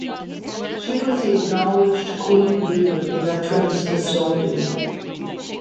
She was the acknowledged 'queen bee' of the veterans' facility.